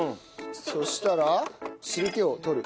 そうしたら汁気を取る。